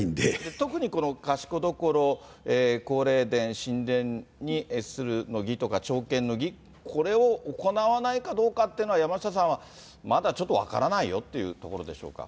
特にこの賢所、皇霊殿、神殿に謁するの儀とか、朝見の儀、これを行わないかどうかっていうのは、山下さん、まだちょっと分からないよっていうところでしょうか。